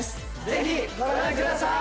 ぜひご覧ください！